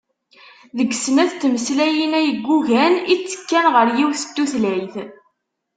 Deg snat n tmeslayin-a yeggugan i ttekkan ɣer yiwet n tutlayt.